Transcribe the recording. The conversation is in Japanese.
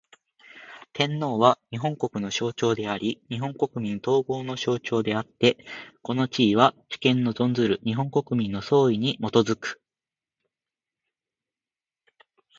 天皇は、日本国の象徴であり日本国民統合の象徴であつて、この地位は、主権の存する日本国民の総意に基く。